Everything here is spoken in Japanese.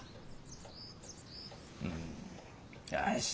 よし。